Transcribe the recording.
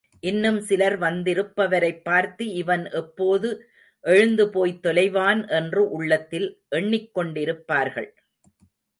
இன்னும் சிலர், வந்திருப்பவரைப் பார்த்து இவன் எப்போது எழுந்து போய்த் தொலைவான் என்று உள்ளத்தில் எண்ணிக்கொண்டிருப்பார்கள்.